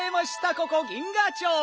ここ銀河町。